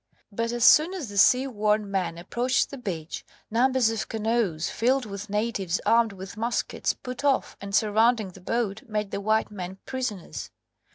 But as soon as the sea worn men approached the beach, numbers of canoes, filled with natives armed with muskets, put off, and surrounding the boat, made the white men prisoners.